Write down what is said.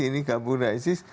ini gabung dengan isis